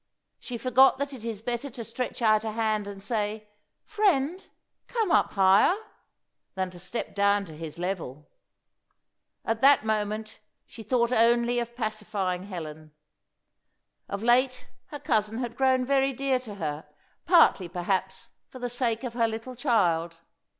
She forgot that it is better to stretch out a hand and say, "Friend, come up higher," than to step down to his level. At that moment she thought only of pacifying Helen. Of late her cousin had grown very dear to her, partly, perhaps, for the sake of her little child.